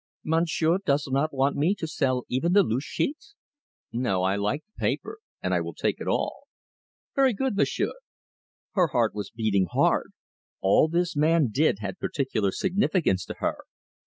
"Monsieur does not want me to sell even the loose sheets?" "No. I like the paper, and I will take it all." "Very good, Monsieur." Her heart was beating hard. All this man did had peculiar significance to her.